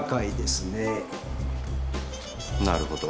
なるほど。